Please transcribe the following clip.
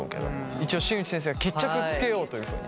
一応新内先生が決着つけようというふうに。